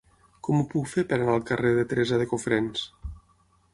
Com ho puc fer per anar al carrer de Teresa de Cofrents?